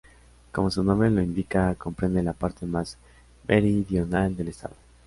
Como su nombre lo indica, comprende la parte más meridional del estado.